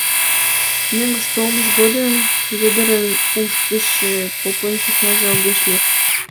Мӧҥгыш толмыж годым Вӧдырын уш гычше попын сӧснаже огеш лек.